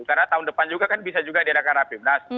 karena tahun depan juga kan bisa juga diadakan rapimnas